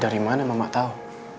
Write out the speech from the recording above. dari mana mama tahu